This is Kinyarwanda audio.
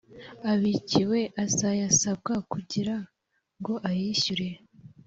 abikiwe azayasabwa kugira ngo ayishyure